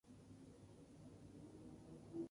Murió en el acto.